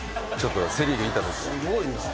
セ・リーグ行ったときに。